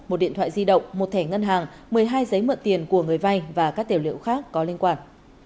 một điện thoại di động một thẻ ngân hàng một mươi hai giấy mượn tiền của người vay và các tiểu liệu khác có liên quan